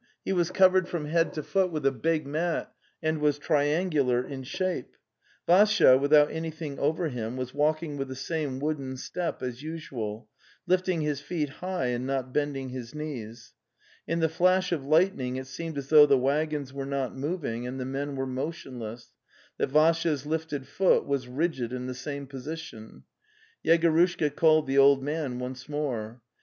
He was covered from head to foot with a big mat and was triangular in shape. Vassya, without anything over him, was walking with the same wooden step as usual, lifting his feet high and not bending his knees. In the flash of lightning it seemed as though the waggons were not moving and the men were motionless, that Vassya's lifted foot was rigid in the same position. ... Yegorushka called the old man once more.